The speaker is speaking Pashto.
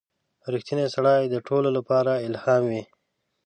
• رښتینی سړی د ټولو لپاره الهام وي.